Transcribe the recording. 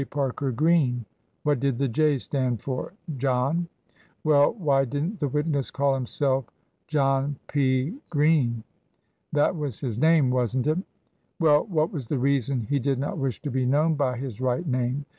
Parker Green? ... What did the J. stand for? ... John? ... Well, why did nt the witness call himself John P. Green? ... That was his name, was nt it? ... Well, what was the reason he did not wish to be known by his right name?